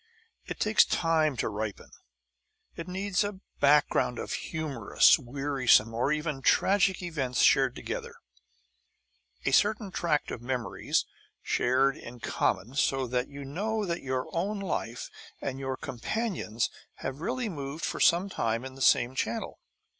It takes time to ripen. It needs a background of humorous, wearisome, or even tragic events shared together, a certain tract of memories shared in common, so that you know that your own life and your companion's have really moved for some time in the same channel.